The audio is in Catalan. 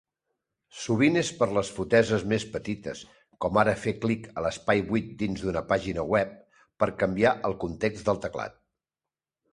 Sovint és per les foteses més petites, com ara fer clic a l'espai buit dins d'una pàgina web per canviar el context del teclat.